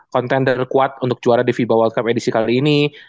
kontender kuat untuk juara di fiba world cup edisi kali ini